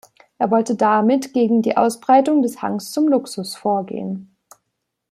Er wollte damit gegen die Ausbreitung des Hangs zum Luxus vorgehen.